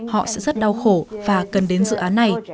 họ sẽ rất đau khổ và cần đến dự án này